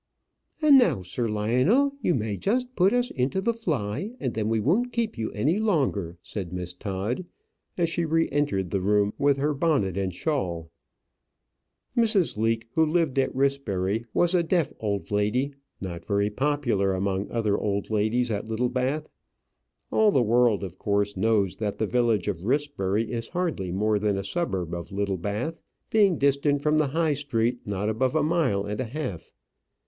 "And now, Sir Lionel, you may just put us into the fly, and then we won't keep you any longer," said Miss Todd, as she re entered the room with her bonnet and shawl. Mrs. Leake, who lived at Rissbury, was a deaf old lady, not very popular among other old ladies at Littlebath. All the world, of course, knows that the village of Rissbury is hardly more than a suburb of Littlebath, being distant from the High Street not above a mile and a half.